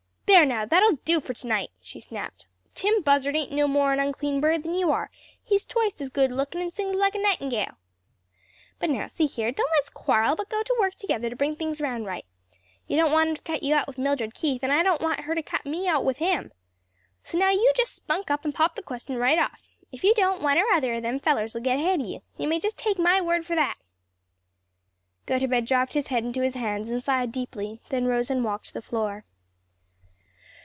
"There now; that'll do fur to night," she snapped. "Tim. Buzzard ain't no more an unclean bird than you are; he's twicet as good lookin' and sings like a nightingale. "But now see here; don't let's quarrel, but go to work together to bring things round right. You don't want him to cut you out with Mildred Keith, and I don't want her to cut me out with him. So now you just spunk up and pop the question right off. If you don't, one or other o' them fellers'll get ahead o' you; you may just take my word for that." Gotobed dropped his head into his hands and sighed deeply, then rose and walked the floor.